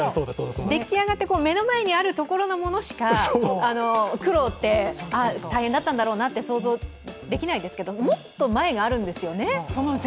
出来上がって目の前にあるものしか苦労って、大変だったんだろうなと思いますけど、もっと前があるんですよね。